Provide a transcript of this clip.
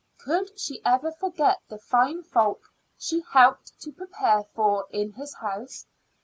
Could she ever forget the fine folk she helped to prepare for in his house?